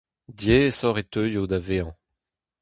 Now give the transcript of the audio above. Diaesoc'h e teuio da vezañ.